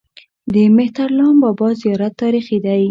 د مهترلام بابا زیارت تاریخي دی